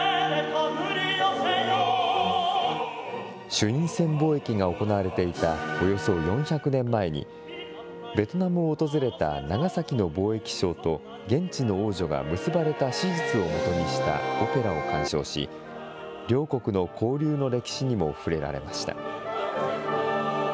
朱印船貿易が行われていたおよそ４００年前に、ベトナムを訪れた長崎の貿易商と現地の王女が結ばれた史実をもとにしたオペラを鑑賞し、両国の交流の歴史にも触れられました。